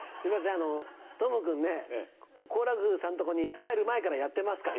あのとむ君ね好楽さんとこに入る前からやってますから。